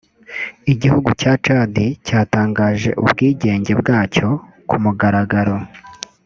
Igihugu cya Chad cyatangaje ubwigenge bwacyo ku mugaragaro